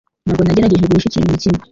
Ntabwo nagerageje guhisha ikintu na kimwe